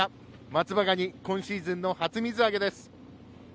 松葉ガニ、今シーズンの初水揚げです。